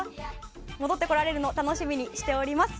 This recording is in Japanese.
戻ってこられるのを楽しみにしています。